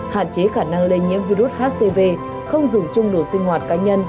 hạn chế khả năng lây nhiễm virus hcv không dùng chung đồ sinh hoạt cá nhân